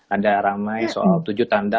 ada ramai soal tujuh tanda